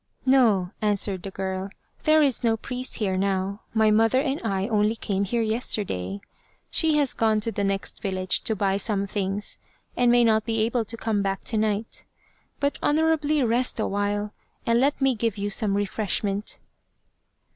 " No," answered the girl, " there is no priest here now. My mother and I only came here yesterday. 266 ..< The Badger Haunted Temple She has gone to the next village to buy some things and may not be able to come back to night. But honourably rest awhile, and let me give you some re freshment."